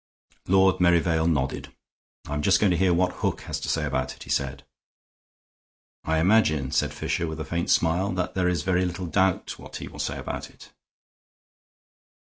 Lord Merivale nodded. "I'm just going to hear what Hook has to say about it," he said. "I imagine," said Fisher, with a faint smile, "that there is very little doubt what he will say about it."